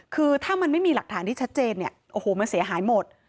คือถ้ามันไม่มีหลักฐานที่ชัดเจนเนี่ยโอ้โหมันเสียหายหมด